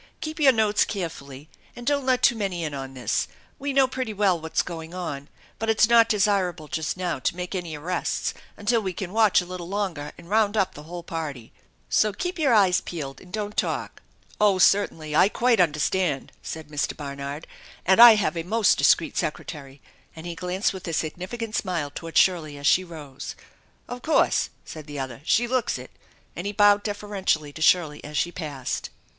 Keep your notes carefully and don't let too many in on this. We know pretty well what's going on, but it's not desirable just now to make any arrests until we can watch a little longer and round up the whole party. So keep your eyes peeled, and don't talk." " Oh, certainly ! I quite understand/' said Mr. Barnard, " and I have a most discreet secretary," and he glanced with a significant smile toward Shirley as she rose. " Of course !" said the other. " She looks it," and he bowed deferentially to Shirley as she passed.